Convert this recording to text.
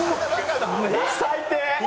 最低！